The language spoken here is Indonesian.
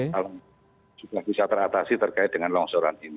kalau sudah bisa teratasi terkait dengan longsoran ini